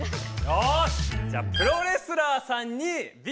よし！